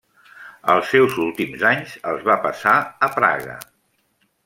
Els seus últims anys els va passar a Praga.